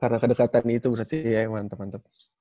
karena kedekatan itu berarti ya yang mantep mantep